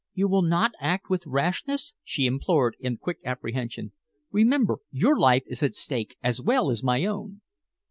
"You will not act with rashness?" she implored in quick apprehension. "Remember, your life is at stake, as well as my own."